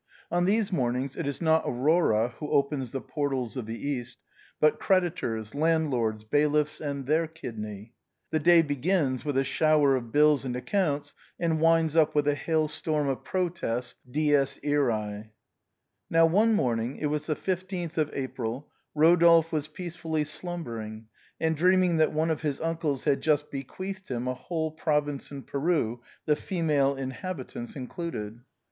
On these mornings it is not Aurora who opens the portals of the East, but creditors, landlords' bailiffs and that sort of people. The day begins with a shower of bills and accounts and winds up with a hail storm of protests. Dies irce. Now one morning, it was a 15th of April, Rodolphe w^s peacefully slumbering — and dreaming that one of hh uncles had Just bequeathed him a whole province in Peru, the feminine inhabitants included.